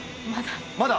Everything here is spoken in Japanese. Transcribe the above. まだ？